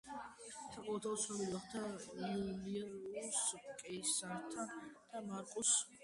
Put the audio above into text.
საყოველთაოდ ცნობილი გახდა იულიუს კეისართან და მარკუს ანტონიუსთან სასიყვარულო კავშირის შედეგად.